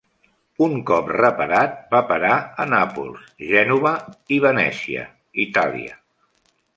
Un cop reparat, va parar a Nàpols, Gènova i Venècia (Itàlia).